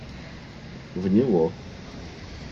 В него.